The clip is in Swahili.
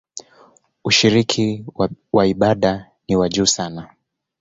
Ushiriki wa ibada ni wa juu sana.